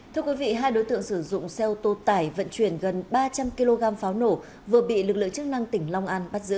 thưa quý vị hai đối tượng sử dụng xe ô tô tải vận chuyển gần ba trăm linh kg pháo nổ vừa bị lực lượng chức năng tỉnh long an bắt giữ